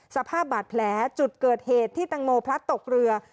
สภาพบาดแผลจุดเกิดเหตุที่ตังโมพลัดตกเรือ